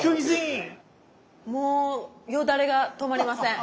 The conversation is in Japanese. もうよだれが止まりません。